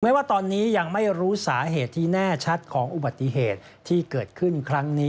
ว่าตอนนี้ยังไม่รู้สาเหตุที่แน่ชัดของอุบัติเหตุที่เกิดขึ้นครั้งนี้